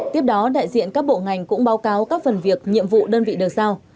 tiếp đó đại diện các bộ ngành cũng báo cáo các phần việc nhiệm vụ đơn vị được giao